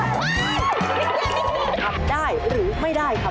ไปแล้วไปแล้ว